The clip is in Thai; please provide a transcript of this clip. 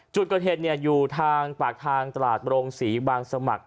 จุดเกิดเหตุอยู่ทางปากทางตลาดโรงศรีบางสมัคร